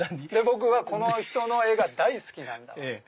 僕はこの人の絵が大好きなの。